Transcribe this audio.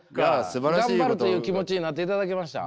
頑張るという気持ちになっていただけました？